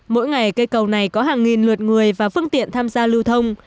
mỗi ngày cây cầu này có hàng nghìn lượt người và phương tiện tham gia lưu thông